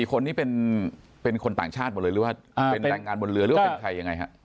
คนนี้เป็นคนต่างชาติหมดเลยหรือว่าเป็นแรงงานบนเรือหรือว่าเป็นใครยังไงฮะ